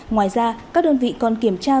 ngoài ra các đơn vị còn kiểm tra